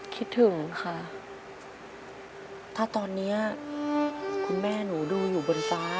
คิดถึงค่ะถ้าตอนนี้คุณแม่หนูดูอยู่บนฟ้า